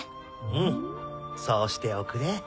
うんそうしておくれ。